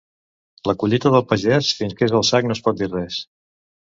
La collita del pagès, fins que és al sac no es pot dir res.